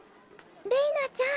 れいなちゃん。